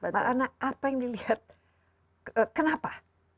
pak ana apa yang dilihat kenapa